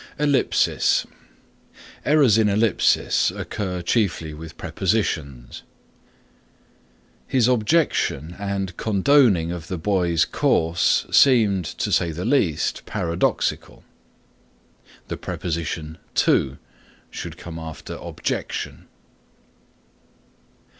ELLIPSIS Errors in ellipsis occur chiefly with prepositions. His objection and condoning of the boy's course, seemed to say the least, paradoxical. (The preposition to should come after objection.)